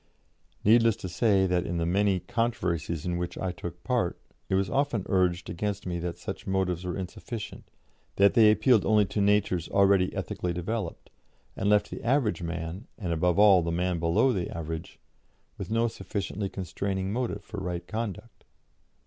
Needless to say that, in the many controversies in which I took part, it was often urged against me that such motives were insufficient, that they appealed only to natures already ethically developed, and left the average man, and, above all, the man below the average, with no sufficiently constraining motive for right conduct.